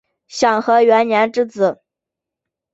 享和元年之子。